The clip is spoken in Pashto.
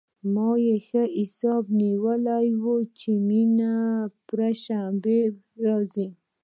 ما يې ښه حساب نيولى و چې مينه به پر شنبه راځي.